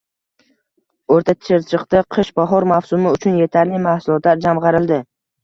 O‘rta Chirchiqda qish-bahor mavsumi uchun yetarli mahsulotlar jamg‘arildi